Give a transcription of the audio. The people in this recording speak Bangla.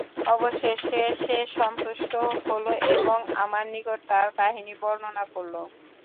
অবশেষে সে সন্তুষ্ট হল এবং আমার নিকট তার কাহিনী বর্ণনা করল।